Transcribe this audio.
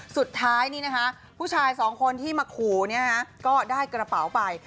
สุดท้ายผู้ชาย๒คนที่มาขูก็ได้กระเป๋าไป